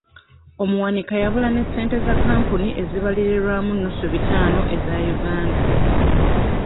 Omuwanika yabula ne ssente za kampuni ezibalirirwamu nnusu bitaano eza Uganda.